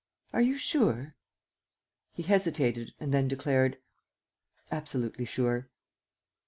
"Are you sure?" He hesitated and then declared: "Absolutely sure."